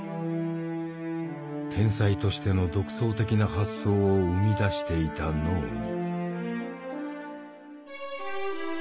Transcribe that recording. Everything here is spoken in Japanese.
天才としての独創的な発想を生み出していた脳に」。